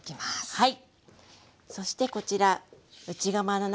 はい。